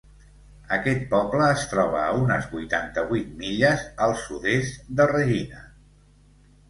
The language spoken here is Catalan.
Aquest poble es troba a unes vuitanta-vuit milles al sud-est de Regina.